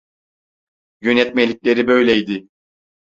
Yönetmelikleri böyleydi.